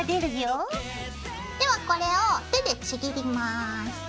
ではこれを手でちぎります。